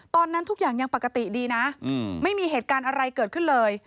ตอนนั้นทุกอย่างยังปกติดีนะไม่มีเหตุการณ์อะไรเกิดขึ้นเลย